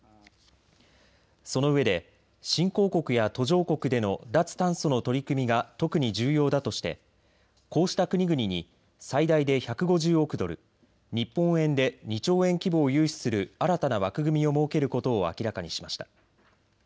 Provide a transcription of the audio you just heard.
そのうえで新興国や途上国での脱炭素の取り組みが特に重要だとして、こうした国々に最大で１５０億ドル、日本円で２兆円規模を融資する新たな枠組みを設けることを明らかにしました。